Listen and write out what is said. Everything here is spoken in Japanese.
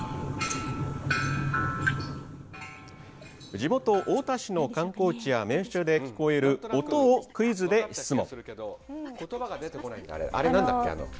地元・太田市の観光地や名所で聞こえる音をクイズで質問。